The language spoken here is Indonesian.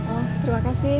oh terima kasih